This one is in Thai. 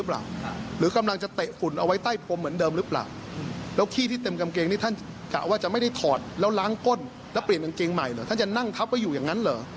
แล้วเปลี่ยนกางเกงใหม่หรือท่านจะนั่งทับไว้อยู่อย่างนั้นหรือ